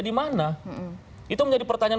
di mana itu menjadi pertanyaan